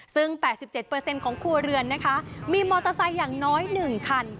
ซึ่ง๘๗ของครัวเรือนนะคะมีมอเตอร์ไซค์อย่างน้อย๑คัน